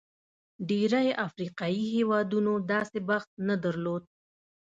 ډېری افریقايي هېوادونو داسې بخت نه درلود.